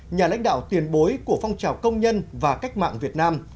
nhà lãnh đạo tiền bối của phong trào công nhân và cách mạng việt nam